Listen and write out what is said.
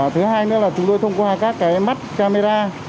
thứ hai nữa là chúng tôi thông qua các cái mắt camera